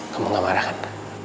kamu nggak marah kan